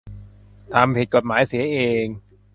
ทำผิดกฎหมายเสียเอง